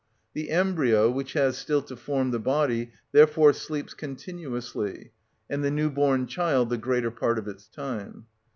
The embryo which has still to form the body therefore sleeps continuously, and the new born child the greater part of its time.